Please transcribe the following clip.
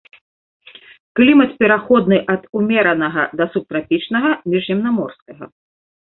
Клімат пераходны ад умеранага да субтрапічнага, міжземнаморскага.